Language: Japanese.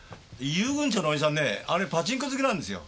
遊軍長の叔父さんねあれパチンコ好きなんですよ。